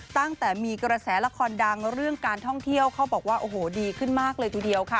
ตั้งแต่มีกระแสละครดังเรื่องการท่องเที่ยวเขาบอกว่าโอ้โหดีขึ้นมากเลยทีเดียวค่ะ